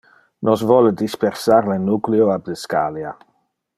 Nos vole a dispersar le nucleo ab le scalia.